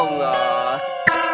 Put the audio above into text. aduh aduh aduh